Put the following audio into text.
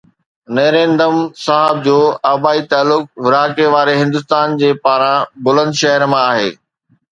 نيرندم صاحب جو آبائي تعلق ورهاڱي واري هندستان جي باران بلند شهر مان آهي